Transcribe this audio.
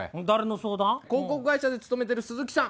広告会社に勤めてる鈴木さん。